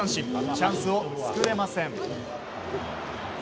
チャンスを作れません。